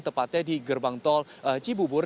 tepatnya di gerbang tol cibubur